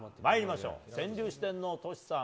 川柳四天王、トシさん